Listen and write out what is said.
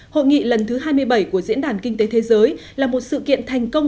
hội nghị lần thứ hai mươi bảy của diễn đàn kinh tế thế giới là một sự kiện thành công